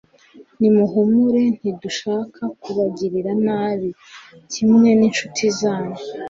nimuhumure ntidushaka kubagirira nabi, kimwe n'incuti zanyu